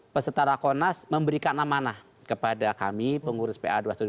peserta rakonas memberikan amanah kepada kami pengurus pa dua ratus dua belas